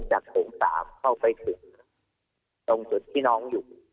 โถง๓เข้าไปถึงตรงจุดที่น้องอยู่